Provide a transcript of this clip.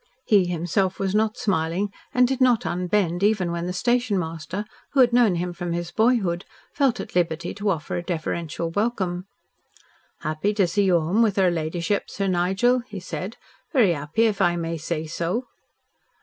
He himself was not smiling and did not unbend even when the station master, who had known him from his boyhood, felt at liberty to offer a deferential welcome. "Happy to see you home with her ladyship, Sir Nigel," he said; "very happy, if I may say so."